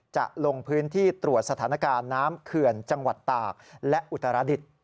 จะลงพื้นที่ตรวจสถานการณ์น้ำเขื่อนจังหวัดตากและอุตรดิษฐ์